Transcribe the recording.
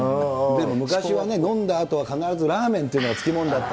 昔はね、飲んだあとは必ずラーメンっていうのがつきもんだった。